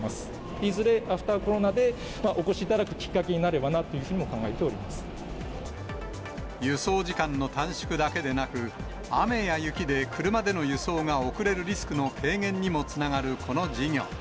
いずれ、アフターコロナでお越しいただくきっかけになればなとい輸送時間の短縮だけでなく、雨や雪で、車での輸送が遅れるリスクの軽減にもつながるこの事業。